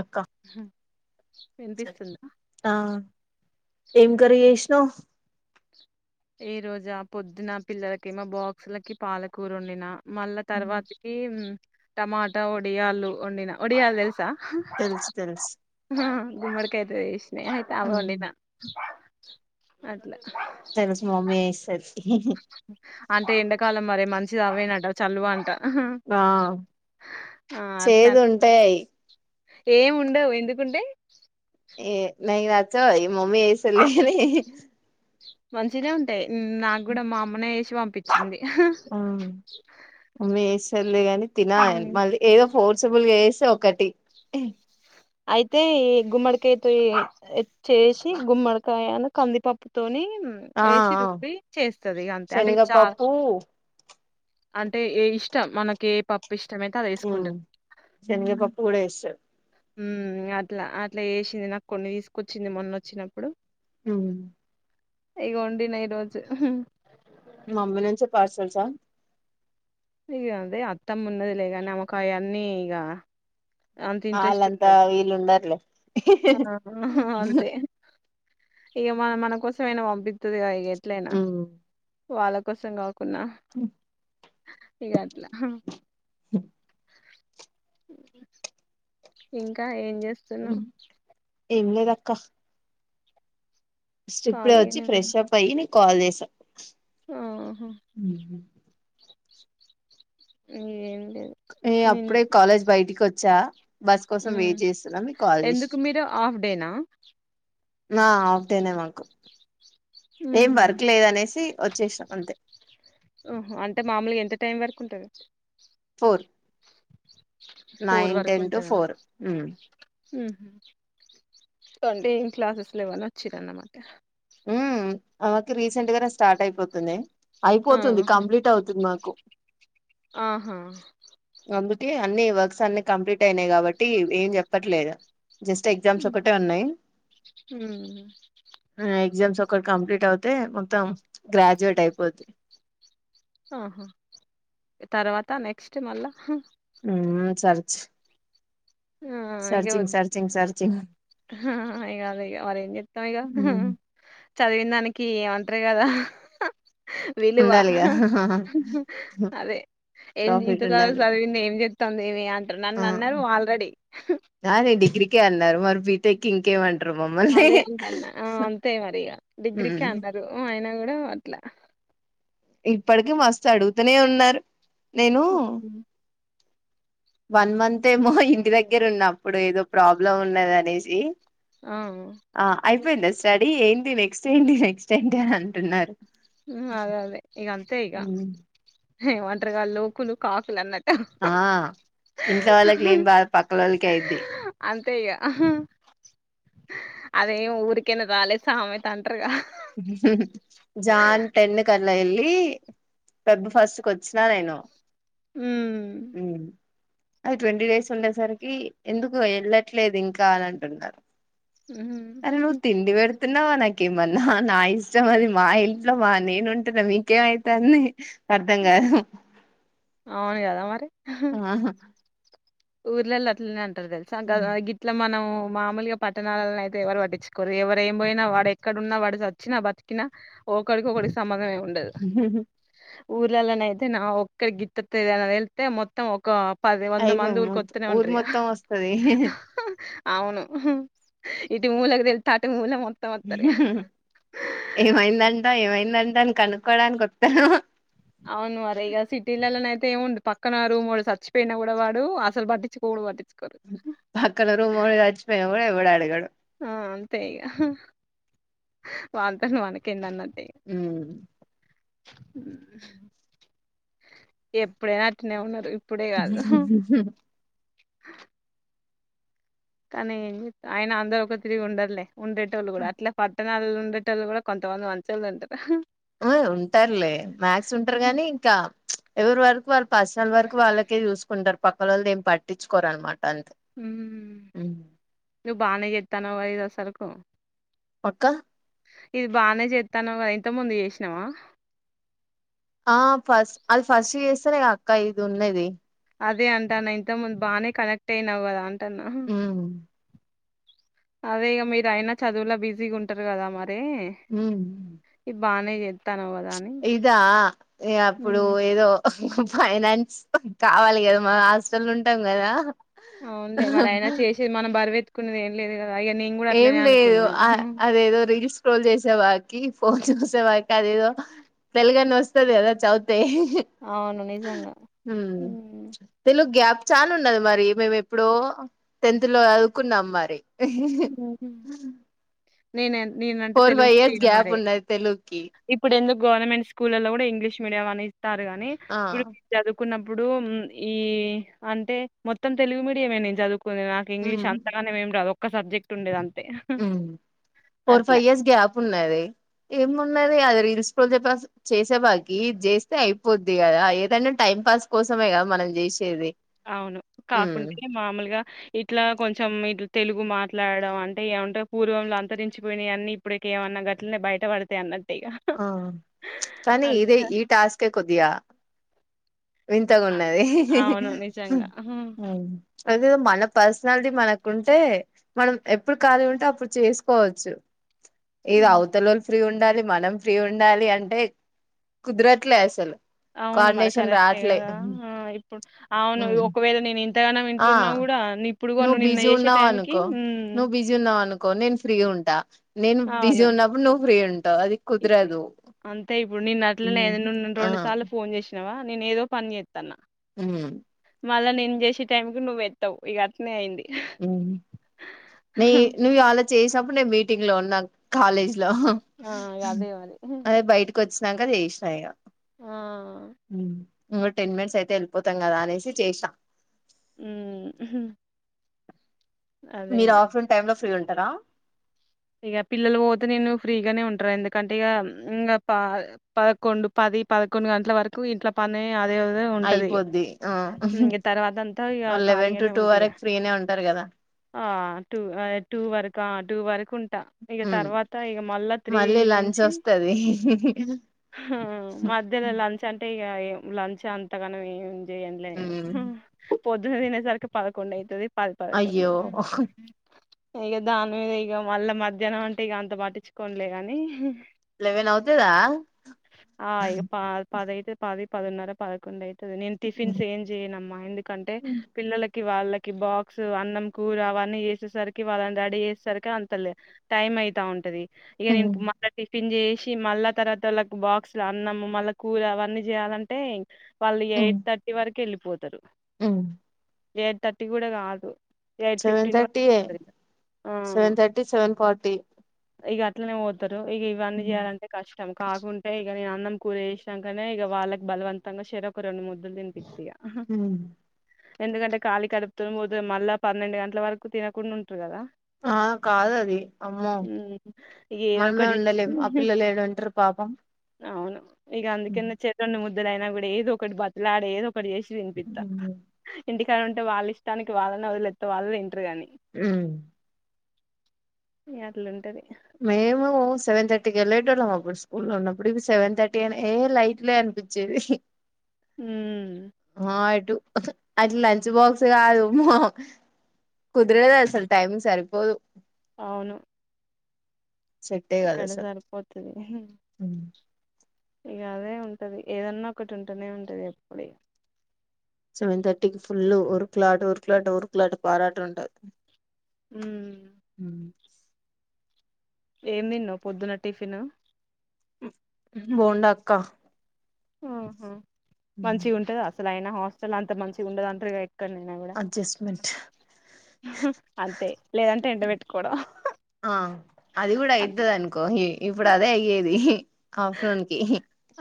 అక్క హ్మ్ వినిపిస్తుందా ఏం కరష్ట చ ఏ రోజా పొద్దున పిల్లలకి మా బాక్సులకి పాలకూరుండిన మళ్ళా తర్వాతకి టమాటా వడియాలు వండిన ఒడియాలు తెలుసా తెలుసు తెలుసు గుమ్మడుకైతుది ఇష్ణే అయితే అవోంిన అట్లా తెలుసు మమ్మీ సలుసు అంటే ఎండాకాలం మరి మంచిది అవేనట చలువ అంట ఆ ఆ అట్లా చేదు ఉంటాయయి ఏం ఉండవు ఎందుకుంటే ఏ న రాచా ఈ మమ్మీ ఏస లేని మంచిినే ఉంటాయి నాకు కూడా మా అమ్మనే వేసి పంపించింది ఆ మీసర్లే ని తినాల హ్మ్ మళ్ళీ ఏదో ఫోర్సబుల్గా వేసి ఒకటి అయితే ఈ గుమ్మడికాయతో చేసి గుమ్మడికాయను కందిపప్పుతోోని ఆ వేసి ఆ రుబి చేస్తుంది ఇక అంతే అంటే ఇ చాల శనగపప్పు అంటే ఏ ఇష్టం మనకి ఏ పప్పు ఇష్టమయితే అది వేసుకుంటారు శనగపప్పు కూడా చేస్తది ఉ అట్లా అట్లా వేసింది నా కొన్ని తీసుకొచ్చింది మొన్న వచ్చినప్పుడు ఇప్పుడు ఇగ వండిన ఈ రోజు మమ్మీ నుంచే పార్సల్సా ఇక అదే అత్తం ఉన్నది లేగాని అమకావన్నీ ఇక అంత ఇంట్రెస్ట్ వాళ్ళంతా ఉండడు వీళ్ళు ఉండరులే అంతే ఇక మన మన కోసంయినా పంపిస్తుది ఇక ఎట్లయినా వాళ్ళ కోసం కా కున్నా ఉమ్ ఇగాట్లా ఇంకా ఏం చేస్తున్నా క్క స్ట్రిప్డ వచ్చి ఖాళీగానే ఫ్రెష్ అప్ అయ్యి నీ కాల్ చేసాను ఆహ ఏ న అప్పుడే కాలేజ్ బయటికి వచ్చా బస్ కోసం మ్మ్ వెయిట్ చేస్తున్నా మీ కాల్ చేస్ ఎందుకు మీరు హాఫ్ డేనా ఆ అడేనే మాకు ఏం మ్మ్హు వర్క్ లేదు అనేసి వచ్చేసాం అంతే హ అంటే మామూలుగా ఎంత టైం వరకు ఉంటది ఫోర్ ఫోర్ నైన్ వరకు టెన్ టు ఉంటదా ఫోర్ హ్మ్ మ్మ్హు అంటే ఏం క్లాసెస్ లోవన్న వచ్చిర అన్నమాట హ్మ్ ఆమెకి రీసెంట్ గానే స్టార్ట్ అయిపోతుంది అయిపోతుంది ఆహా కంప్లీట్ అవుతుంది మాకు ఆహా అందుకే అన్ని వర్క్స్ అన్ని కంప్లీట్ అయినాయి కాబట్టి ఏం చెప్పట్లేదు జస్ట్ ఎగ్జామ్స్ మ్మ్హు ఒకటే ఉన్నాయి మ్మ్ హ్మ్ ఎగ్జామ్స్ ఒకటి కంప్లీట్ అవుతే మొత్తం గ్రాడ్యుయేట్ అయిపోద్ ఆహా తర్వాత నెక్స్ట్ మళ్ళా మ్మ్ సర్చ్ సర్చింగ్ సర్చింగ్ సర్చింగ్ ఇక అద ఇ మళ ఏం చెప్తాం ఇక చదివిన దానికి ఏమంత అదే కదా విలువ ఉండాలిగా అదే ఏం ఇంత ప్రాఫిట్ చదు ఉండాలి చదివింది ఏం చె వస్తుంది ఇ అంటారు నన్ను అన్నారు ఆల్రెడీ కానీ డిగ్రీకే అన్నారు మరి బీటెక్ ఇంకేమంట అదే అంత అన్న అంతే మరి డిగ్రీకె హ్మ్. అన్నారు ఆయన ఏరో అట్లా ఇప్పటిక మస్తు అడుగుతూనే ఉన్నారు నేను ఉమ్. వన్ మంత్ ఏమో ఇంటి దగ్గర ఉన్నప్పుడు ఏదో ప్రాబ్లం ఉన్నది అనేసి ఆ ఆ అయిపోయింద స్టడీ ఏంటి నెక్స్ట్ ఏంటి నెక్స్ట్ ఏంటి అని అంటున్నారు అదే అదే ఇగ అంతే ఇగ హ్మ్. ఒంటరిగా లోకులు కాకులు అన్నట్ ఆ ఇంట్లో వాళ్ళకి లేని బాగా పక్కల వాళ్ళక అయిద్ది అంతే ఇగ ఊరికైనా రాలేదు సామె అంటర్గా జాన్ టెన్ కల్ల ఎల్లి పెబ్బు ఫస్ట్కి వచ్చినా నేను ఉమ్, అది ట్వంటీ డేస్ ఉండేసరికి ఎందుకు వెళ్ళట్లేదు ఇంకా అని అంటున్నారు హ్మ్ తిన్నావానికేమన్నా నా నా ఇష్టం అది మా ఇంట్లో మా నేను ఉంటున్నా మీకేమైతాంది అని అర్థం కాదు [inaudible] అవును కదా మరి ఆహా ఊర్లల అట్లనే అంటారు తెలుసా గ ఇట్లా మనమూ. మామూలుగా పట్టణాలలైతే ఎవరు పట్టించుకోరు, ఎవరు ఏం బోయినా వాడు ఎక్కడున్నా, వాడు చచ్చినా, బతికినా. ఒకడికి ఒకడికి సమంధమే. ఉహు. ఊర్లల అయితే, నా ఒక్కడికీ, గిత్తత ఎదైనా తేలీతే, మొత్తం ఒక పది, వంద అయిపోయి మంది, ఊర్. మొత్తం కొత్తనే, ఊరు ఉంటరిగా. మొత్తం వస్తది అవును, ఇటు మూలకి తెలీతే, అటు మూల మొ. ఏమైందంటా, ఏమైందంటా, అని కనుక్కోడానికి ఓత్తరు. అవును మరి ఈగ సిటీలల్లనై. ఏముంది, పక్కన రూమోడు చచ్చిపోయినా కూడా వాడు, అసలు బట్టిచుకోడు వట్టిచు. పక్కన రూమొడు చచ్చిపోయినా కూడ, ఎవ్వడు అడుగడు. ఆ అంతేఇగ, వానతన వానకేన్ దన్నట్టు. ఉమ్. ఎప్పుడేనా అట్లే ఉన్నారు ఉప్. [unintelligible] కానీ ఆయన అందరు ఒక తిరిగి ఉండరులే, ఉండేటోళ్ళు కూడా అట్ల ప. పట్టణాలలో ఉండేటోల్లు కూడా కొంతమంది, మంచోళ్లు ఉంటారు. ఆ ఉంటారులే, మ్యాస్ ఉంటారు ఉమ్. గానీ ఇంకా. ఎవరి వరకు వాళ్ళు పర్సనల్ వరకు వాళ్ళకే చూసుకుంటారు, పక్కనోళ్ల దేఏం పట్టించుకోరు అన్నమాట. అంతే. బాగానే జెతన్నావ్ గద ఎదో సరుకు. పక్క. ఇది బాగానే జెతనవ్ గద, ఇంత ముందు యేసినావా. ఆ ఫస్, అది ఫస్ట్ ఎస్తానే గద అక్క ఇది ఉన్నది. అదే అంటాన్న ఇంత ముందు బానే కనెక్ట్ అయినావు కదా అంటాన్నా. హ్మ్. అదే ఇగ మీరు అయినా చదువులా బిజీగా ఉంటారు కదా మ. ఐతే ఇది బానే జె. ప్చ్ ఇదా ఏ అప్పుడు, ఉమ్. ఏదో ఓహ్. ఉఫ్ఫ్ ఫైనాన్స, హు కావాలి గదా మన హాస్టల్లో ఉంటాం గదా. అవున్లే మరి ఆయినా చేసేద్ మనం బరర్వెత్తుకున్నది ఏం లే. ఏం లేదు, ఆ అదేదో రీల్స్ స్క్రోల్ జుసే వార్కి, ఫోన్ జూస్. ఇంతవరకదేదో తెలుగన్ వొస్తుస్తది గద చౌ. తే హ్ హ్ అవును నిజంగా ఉమ్ హ్మ్. తెలుగ్ గ్యాప్. చాల్ ఉన్నది మరి, మేమ్ఎప్పుడో, టెన్త్లో చదువ్కున్నాం మరి హెహి. నేనన్. నేనంటే ఫోర్ తెలుగు ఫైవ్ ఇయర్స్ పిడ్ గ్యాప్ మరే, ఉన్నది తెలుగుకి ఇప్పుడు ఎందుక్. గవర్నమెంట్ స్కూల్ లల్లో గుడా ఇంగ్లీష్ మీడియం అని ఇత్తర్రు గాని, ఆ ఇప్పుడు జదుప్. కున్నప్పుడు, ఉమ్ ఈ, అంటే, మొత్తం తెలుగు మీడియమే నేన్ జదువు కు. కునేది నాకు ఇంగ్లీష్ అంతగానమ్ ఏమ్రాదూ ఒక్క సబ్జెక్ట్ ఉండేది అం. హుమ్ ఫోర్ ఫైవ్ ఇయర్స్ గ్యాప్ ఉన్నది, ఏమున్నది. పొతే అది రీల్స్ పొసే పస్ చేసే వారికి జెస్తే అయిపోద్ది గదా, ఏదైనా టైం పాస్ కోసమే. గా మనం జేసేది. అవును, కాకుంటే మామూల్గా, ఇట్లా కొంచెం ఇట్ల. తెలుగు మాట్లాడడం అంటే, ఏఅంత పూర్వంలో అంతరించిపోయ్నయాన్ని, ఇప్పుడకే ఏమన్నా, గట్లనే బయటపడ్తాయ్ అన్నట్ల. హ చ్చు కానీ ఇదే ఈ టాస్కే కొద్ధిగా. వింతగున్నది. అవును నిజంగా అదే మన పర్సనాలిటీ మనకుంటే, మనం ఎప్పుడ్ ఖాళీ ఉంటే, అప్పుడు చేస్కోవచ్చు. ఏది హ్మ్. అవతలోల్ ఫ్రీ గున్. ఉండాలి మనం ఫ్రీ ఉండాలి అంటే, కుదరట్లేసలు. అవును మరి కరెక్టే గదా, హ ఇప్పుడు, అవును హ్మ్. ఒకవేళ నేన్. తగానమ్ ఆ ఇంట్లున్నా గూడా ఇప్పుడు నువ్వు గూడ్ నిన్న బిజీ జేసే టైంకి కొ నేన్ ఫ్రీ ఉంటా నేను బిజీ ఉన్నప్పుడు నువ్వు ఫ్రీ ఉన్ ఇప్పుడు అంతే ఇప్పుడు నిన్న అట్లనే హ్మ్. ని న్ ఆ రెండు సార్ల ఫోన్ జేస్ వా నేనేదో పని జేతన్న ఉమ్ మళ్ళా నేను జేసే టైం కి నువ్వేత్తవ్ ఇగ అట్నే అయిన్ది ఉమ్ ని నువ్వు అలా చేస్నప్పుడు నీ మీటింగ్లో ఉన్నా కాలేజ్ లో ఆ! ఇగ అదే మరి. అదే బయటకొచ్చినాక జేస్నా ఇగా ఆ! ఉమ్ ఇంగో టెన్ మినిట్స్ అయితే వెళ్పోతాం గదా అనేసి చేస్నా ఉమ్ హ్ మీర్ ఆఫ్టేర్నూన్ టైమ్లో ఫ్రీ ఉంటారా ఇగా పిల్లల్ వొతేనేను ఫ్రీగానే ఉంటారు ఎందుకంటే ఇగా ఇంకా ప పదకొండు పద్ ది పదకొండు గంటల్ వరకు ఇంట్లో పనే అదేదో ఉంటది అయిపోద్ది ఆ ఉమ్ తర్వాత అంతా ఇగా లెవెన్ టు ఖాళీగానే టూ ఉంట ఇగా వరకు ఫ్రీనే ఉంటారు కదా ఆ టూ ఆ టూ వరకా టూ ఉన్ ట ఇగా ఉమ్ తర్వాత ఇగా మళ్ళా మళ్ళీ లంచ్ త్రీనిన్చి వస్తది హా మధ్యలో లంచ్ అంటే ఇగ్ ఇంగా లంచ్ అంతాగానం ఏం జేయన్లే నేను ఉమ్ పొద్దున్ దినేసరికి పదకొన్డూ అయితది పది పదకొండు అయ్యో ఇగా దాని మీద ఇగా మళ్ళీ మధ్యాహ్నం అంటే ఇగా అంత పట్టించుకోన్లే గాని లెవెన్ అవుతదా ఆ ఇ పా పధైతాది పది పదిన్నర పదకొండ ఐత్ ది నేను టిఫిన్స్ ఏం జేయనమ్మా ఎందుకంటే ఉమ్ పిల్లల్కి కి వాళ్ళకి బాక్సు అన్నం కూర అవన్నీ జెసేసర్కి వాళ్ళ రెడీ జేసేసర్కి అంత లే టైమ్ మైతావుంటది ఇగా నేను ఉమ్ మళ్ళా టిఫిన్ జేసి మళ్ళా తర్వాత్ వొళ్ళక్ బాక్సుల అన్నము మళ్ళా కూర అవన్నీ జేయాలంటే వాళ్ళు ఎయిట్ థర్టీ వరక్ వెళ్ళి పోతారు ఉ ఎయిట్ థర్టీ కూడా కాదు ఎయిట్ సెవెన్ ఫిఫ్టీన్ థర్టీ వరకు పోతారు ఇగ సెవెన్ థర్టీ సెవెన్ ఫార్టీ ఇక అట్లనే పోతారు ఇక ఇవన్నీ చేయాలంటే కష్టం కాకుండా ఇక నేను అన్నం కూర చేసికనే ఇక వాళ్ళకి బలవంతంగా షర ఒక రెండు ముద్దులు తినిపిచక హ ఎందుకంటే కాలీ కడుపుత పోద్దు మళ్ళా పన్నెండు గంటల వరకు తినకుండా ఉంటారు కదా ఆ కాదు అది ఆమ్మో ఇగ ఏదో మనమే ఒకటి ఉండలేం ఆ చేసి పిల్లలు ఏడు ఉంటారు పాపం అవును ఇక అందుకన్న చెరుు ముదులైనా కూడా ఏదో ఒకటి బట్టలాడే ఏదో ఇప్పుడు చేసి వినిపిస్తా ఉమ్ ఇంటికాని ఉంటే వాళ్ళ ఇష్టానికి వాళ్ళని వదిలేెస్త వాళ్ళ ఇంటరు కాని ఉ అట్లుంటది మేము సెవెన్ థర్టీ కి వెలేతోలం అప్పుడు స్కూ లో ఉ అప్పుడు సవన్ తర్టీ అ ఏ లైట్ పనిపించేది హు అట్ లంచ్ బాక్స్ కాదు కుదరదు ఆసలు టైమ్ సరిపోదు అవును సెట్టే కాదు ఇక్కడ అసలు సరిపోతుది ఇక అదే ఉంటది ఏదన్నా ఒకటి ఉంటూనే ఉంటది ఎప్పుడు సెవెన్ థర్టీకి ఫుల్ ఉరు క్లాటు ఉరు క్లాట్ రు క్లాటు పరాటంటది ఉ మ్మ్ ఏం తిన్నావ్ పొద్దున్న టిఫిన్ బోండ అక్క ఆహ మంచిగుంటదా అసలు అయినా హాస్టల్ అంత మంచిగా ఉండదు అంటారుగా ఎ అడ్జెస్ట్మెంట్ అంతే లేదంటే ఎండబెట్టుకోవడం ఆ అది కూడా అయితది అనుకో ఇప్పుడు అదే అయ్యేది ఆఫ్టర్నూన్ ‌కి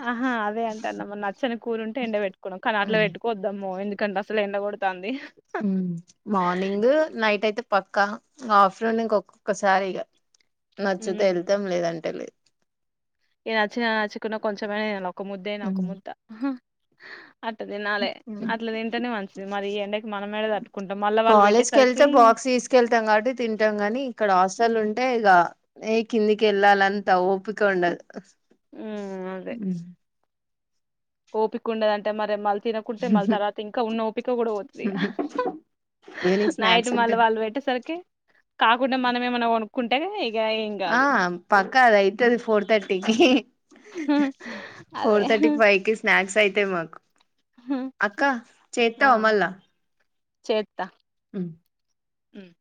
ఆహా అదే అంటన్నావా నచ్చని కూరుంటే ఎండ పెట్టుకోడం కానీ అట్ల పెట్టుకోవద్దామో ఎందుకంటే అసలే ఎండకోడతాంది మ్మ్ మార్నింగ్ నైట్ అయితే పక్కా ఆఫ్టర్నూన్ ఇంక ఒక్కొక్కసారి ఇగా నచ్చుతే ఉమ్ ఎళ్తాం లేదంటే లేదు ఇగ నచ్చిన నచ్చుకున్న కొంచెమైనా తినాలా ఒక ముద్దేన ఒక ముద్ద లేదు అట్ట తినాలే అట్లా తింటనే మంచిది మరి ఈ ఎండకి మనం యేడ తట్టుకుంటాం మళ్ళా వాళ్ళు కాలేజ్కి పెట్టేసరికి వెళ్తే బాక్స్ తీసుకెళ్తాం కాబట్టి తింటాం గానీ ఇక్కడ హాస్టల్ ఉమ్ ఉంటే ఇగా కిందికెళ్ళాలంత ఓపిక ఉండదు ఉమ్ అదే ఓపిక ఉండదంటే మరి మళ్ళీ తినకుంటే మళ్ళీ తర్వాత ఇంకా ఉన్న ఓపిక కూడా పోతది ఇగ ఈవినింగ్ నైట్ స్నాక్స్ ఉంటే మళ్ళీ వాళ్ళు పెట్టేసరికి కాకుండా మనము ఏమన్నా కొను ఆ పక్క అదైతది ఫోర్ తథర్టీకి అదే ఫోర్ థర్టీ ఫైవ్ కి స్నాక్స్ అయితాయి మాకు అక్క ఆ చేత్తావ మళ్ళా చేత్తా మ్మ్ మ్మ్